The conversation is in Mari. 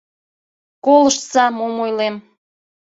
Колыштса, мом ойлем.